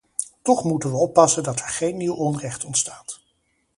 Toch moeten we oppassen dat er geen nieuw onrecht ontstaat.